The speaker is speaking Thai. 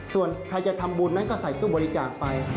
ส่วนใครจะทำบุญนั้นก็ใส่ตู้บริจาคไป